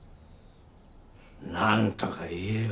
なんとか言えよ。